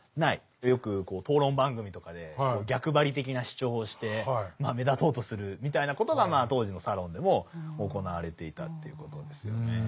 よく討論番組とかで逆張り的な主張をして目立とうとするみたいなことが当時のサロンでも行われていたということですよね。